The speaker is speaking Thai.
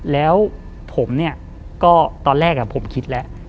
แล้วตอนแรกผมคิดแล้ว